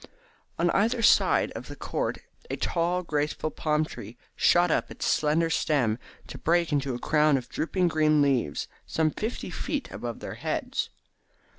On either side of the court a tall, graceful palm tree shot up its slender stem to break into a crown of drooping green leaves some fifty feet above their heads.